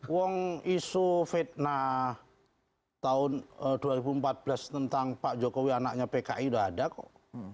wong isu fitnah tahun dua ribu empat belas tentang pak jokowi anaknya pki udah ada kok